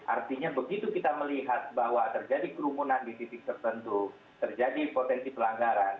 artinya begitu kita melihat bahwa terjadi kerumunan di titik tertentu terjadi potensi pelanggaran